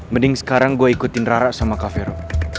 mending sekarang gue ikutin rara sama cavero